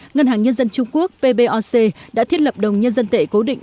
ngân hàng nhân dân trung quốc pboc đã thiết lập đồng nhân dân tệ cố định